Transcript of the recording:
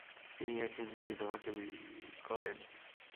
তিনি এক হিন্দু বিধবাকে করেন।